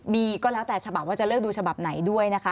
มีก็แล้วแต่ฉบับว่าจะเลือกดูฉบับไหนด้วยนะคะ